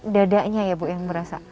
dadanya ya bu yang merasa